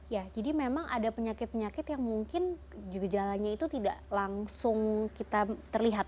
ya jadi memang ada penyakit penyakit yang mungkin juga jalannya itu tidak langsung kita terlihat